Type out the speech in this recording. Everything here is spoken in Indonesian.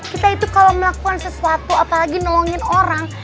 kita itu kalau melakukan sesuatu apalagi nolongin orang